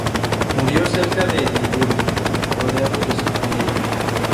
Murió cerca de Edimburgo, rodeado de su familia.